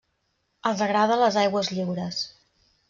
Els agrada les aigües lliures.